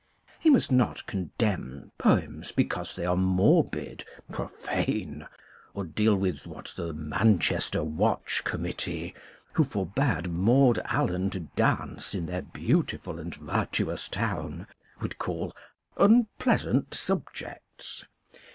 He must not condemn poems because they are morbid, profane, or deal with what the Manchester Watch Committee (who forbade Maud Allan to dance in their beautiful and virtuous town) would call unpleasant subjects.